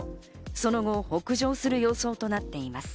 その後、北上する予想となっています。